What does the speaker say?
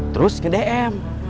terus ke dm